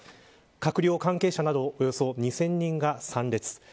閣僚、関係者などおよそ２０００人が参列。